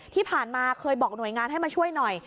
ที่ผ่านมาเคยบอกหน่วยงานให้มาช่วยหน่อย